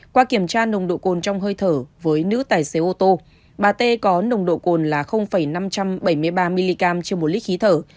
qua kiểm tra nồng độ cồn trong hơi thở với nữ tài xế ô tô bà tê có nồng độ cồn là năm trăm bảy mươi ba mg trên một lít khí thở